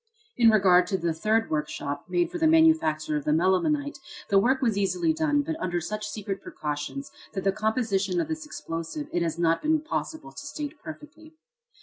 In regard to the third workshop, made for the manufacture of the melimelonite, the work was easily done, but under such secret precautions, that the composition of this explosive it has not been possible to state perfectly.